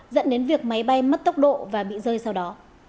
dẫn đến việc máy bay mất tốc độ và bị rơi sau đó